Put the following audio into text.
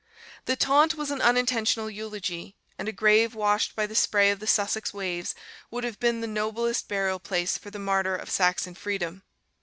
The taunt was an unintentional eulogy; and a grave washed by the spray of the Sussex waves would have been the noblest burial place for the martyr of Saxon freedom.